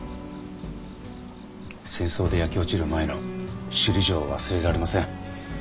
戦争で焼け落ちる前の首里城を忘れられません。